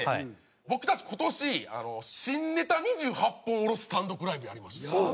僕たち今年新ネタ２８本下ろす単独ライブやりました。